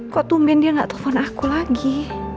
kok tumben dia gak telpon aku lagi